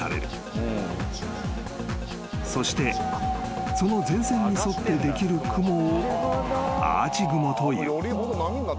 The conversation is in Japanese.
［そしてその前線に沿ってできる雲をアーチ雲という］